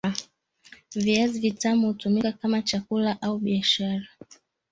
viazi vitamu hutumika kama chakula au biashara